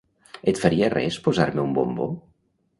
Et faria res posar-me un bombó?